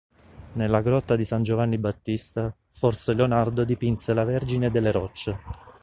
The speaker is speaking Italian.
Nella grotta di San Giovanni Battista, forse Leonardo dipinse la Vergine delle Rocce.